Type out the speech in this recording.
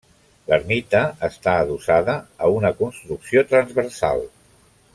L'ermita està adossada a una construcció transversal.